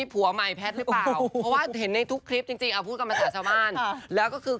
ไปคิดคิดก่อน